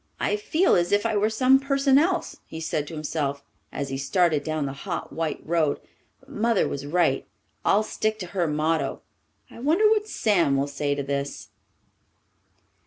"I feel as if I were some person else," he said to himself, as he started down the hot white road. "But Mother was right. I'll stick to her motto. I wonder what Sam will say to this."